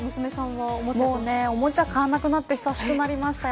もうおもちゃ買わなくなってひさしくなりました。